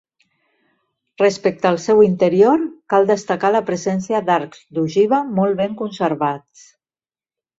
Respecte al seu interior, cal destacar la presència d'arcs d'ogiva molt ben conservats.